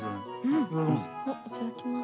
いただきます。